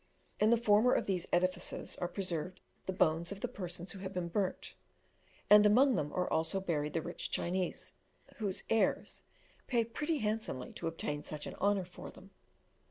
In the former of these edifices are preserved the bones of the persons who have been burnt, and among them are also buried the rich Chinese, whose heirs pay pretty handsomely to obtain such an honour for them.